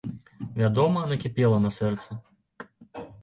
Вядома, накіпела на сэрцы.